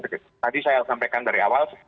jadi tadi saya sampaikan dari awal